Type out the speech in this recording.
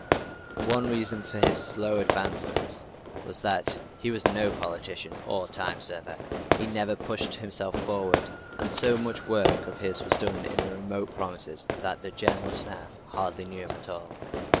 One reason for his slow advancement was that he was no politician or time server. He never pushed himself forward. And so much of his work was done in remote provinces that the General Staff hardly knew him at all.